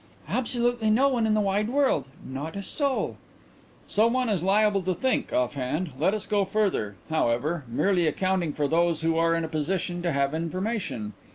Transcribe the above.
"Absolutely no one in the wide world. Not a soul." "So one is liable to think offhand. Let us go further, however, merely accounting for those who are in a position to have information.